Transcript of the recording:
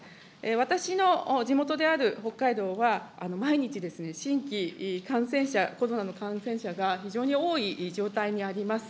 私の地元である北海道は、毎日ですね、新規感染者、コロナの感染者が非常に多い状態にあります。